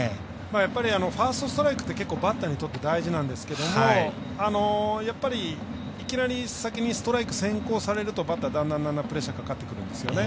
やっぱりファーストストライクってバッターにとって大事なんですけどやっぱり、いきなり先にストライク先行されるとバッター、だんだんプレッシャーかかってくるんですよね。